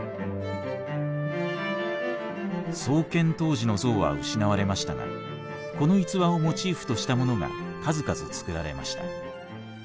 創建当時の像は失われましたがこの逸話をモチーフとしたものが数々作られました。